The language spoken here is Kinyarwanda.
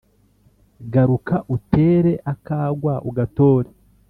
Garuka utere akagwa ugatore